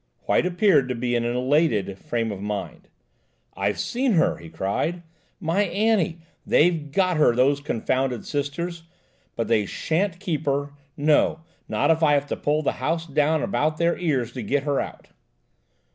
White appeared to be in an elated frame of mind. "I've seen her!" he cried, "my Annie–they've got her, those confounded Sisters; but they sha'n't keep her–no, not if I have to pull the house down about their ears to get her out."